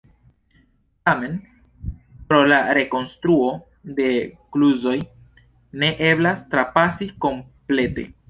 Tamen pro la rekonstruo de kluzoj ne eblas trapasi komplete.